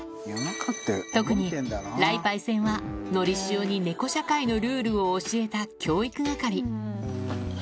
特に雷パイセンは、のりしおに猫社会のルールを教えた教育係。